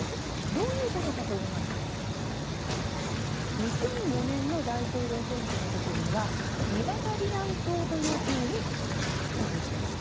どういうことかといいますと２００４年の大統領選挙の時にはリバタリアン党という党に投票しています。